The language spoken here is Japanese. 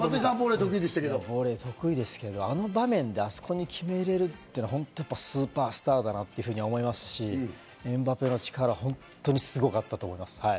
得意でしたけど、あの場面で、あそこに決めれるってスーパースターだなって思いますし、エムバペの力は本当にすごかったと思います。